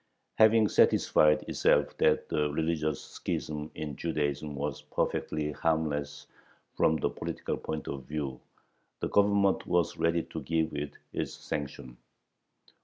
Having satisfied itself that the religious schism in Judaism was perfectly harmless from the political point of view, the Government was ready to give it its sanction.